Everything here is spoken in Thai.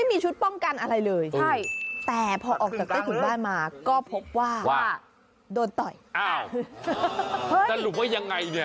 โอ้โฮลูกว่ายังไงเนี่ย